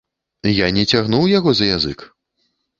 Я не цягнуў яго за язык.